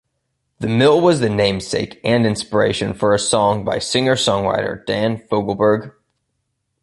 The mill was the namesake and inspiration for a song by singer-songwriter Dan Fogelberg.